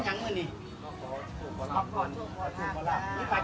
ข้ามหยุดก่อนที่ประบาท